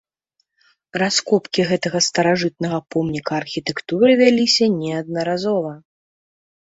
Раскопкі гэтага старажытнага помніка архітэктуры вяліся неаднаразова.